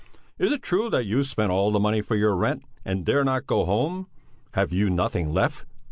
Is it true that you've spent all the money for your rent and daren't go home? Have you nothing left?